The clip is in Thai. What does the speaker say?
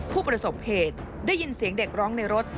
ผู้ประสบเหตุได้ยินเสียงเด็กร้องในรถ